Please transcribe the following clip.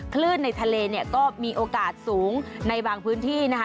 คลื่นในทะเลเนี่ยก็มีโอกาสสูงในบางพื้นที่นะคะ